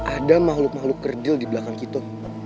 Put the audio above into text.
ada makhluk makhluk kerdil di belakang kita